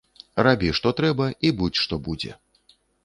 Рабі што трэба, і будзь што будзе!